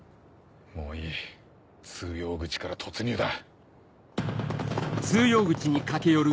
もういい通用口から突入だ。